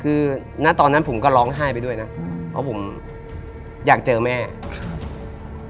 คือณตอนนั้นผมก็ร้องไห้ไปด้วยนะอืมเพราะผมอยากเจอแม่ครับ